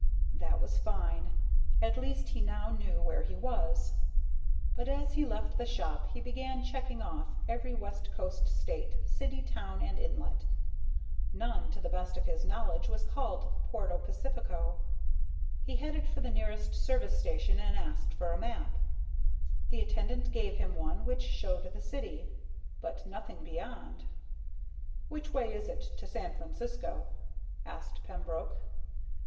That was fine. At least he now knew where he was. But as he left the shop he began checking off every west coast state, city, town, and inlet. None, to the best of his knowledge, was called Puerto Pacifico. He headed for the nearest service station and asked for a map. The attendant gave him one which showed the city, but nothing beyond. "Which way is it to San Francisco?" asked Pembroke.